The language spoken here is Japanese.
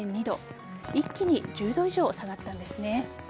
一気に１０度以上下がったんですね。